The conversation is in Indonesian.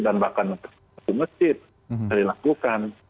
dan bahkan mesjid bisa dilakukan